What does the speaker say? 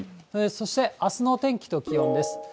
そしてあすのお天気と気温です。